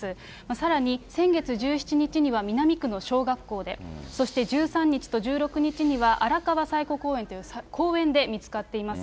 さらに、先月１７日には、南区の小学校で、そして１３日と１６日には、荒川彩湖公園というのは、公園で見つかっています。